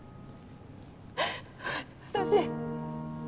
私